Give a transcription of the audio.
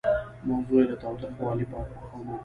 موضوع یې له تاوتریخوالي پاک مقاومت دی.